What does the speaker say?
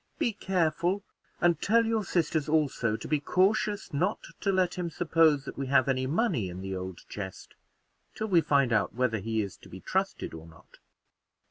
Be careful, and tell your sisters also to be cautious not to let him suppose that we have any money in the old chest, till we find out whether he is to be trusted or not."